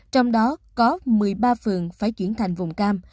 trong đó có một mươi ba phường phải chuyển thành vùng cam